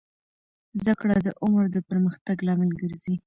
زده کړه د عمر د پرمختګ لامل ګرځي.